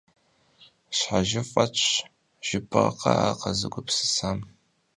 ЩхьэжьыфӀ фӀэтщ, жыпӀэркъэ ар къэзыгупсысам!